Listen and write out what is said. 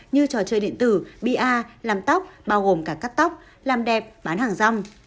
như trò chơi điện tử bi a làm tóc bao gồm cả cắt tóc làm đẹp bán hàng rong